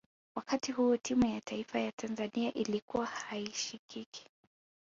wakati huo timu ya taifa ya tanzania ilikuwa haishikiki